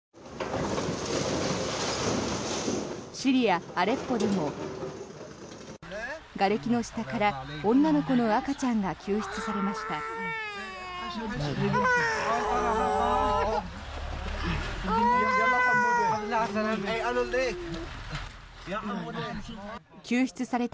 シリア・アレッポでもがれきの下から女の子の赤ちゃんが救出されました。